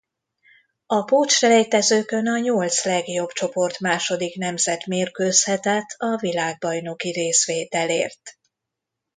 A pótselejtezőkön a nyolc legjobb csoportmásodik nemzet mérkőzhetett a világbajnoki részvételért.